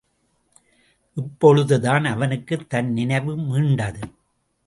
இப்பொழுதுதான் அவனுக்குத் தன் நினைவு மீண்டது.